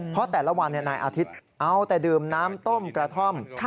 เพราะแต่ละวันนายอาทิตย์เอาแต่ดื่มน้ำต้มกระท่อม